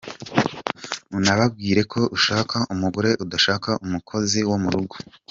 Unababwire ko ushaka umugore udashaka umukozi wo mu rugo.